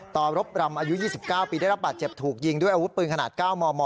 กรบรำอายุ๒๙ปีได้รับบาดเจ็บถูกยิงด้วยอาวุธปืนขนาด๙มม